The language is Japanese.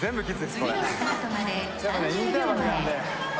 これ次のスタートまで３０秒前ああ